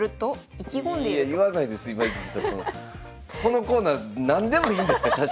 このコーナー何でもいいんですか写真。